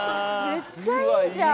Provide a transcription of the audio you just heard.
めっちゃいいじゃん。